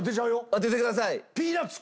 当ててください。